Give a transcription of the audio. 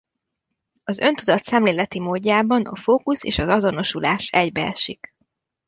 Az öntudat szemléleti módjában a fókusz és az azonosulás egybeesik.